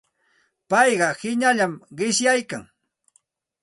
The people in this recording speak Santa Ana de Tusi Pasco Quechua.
Payqa hinallami qishyaykan.